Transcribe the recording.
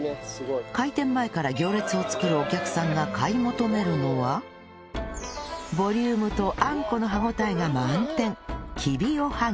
開店前から行列を作るお客さんが買い求めるのはボリュームとあんこの歯応えが満点